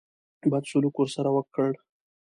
بد سلوک ورسره وکړ.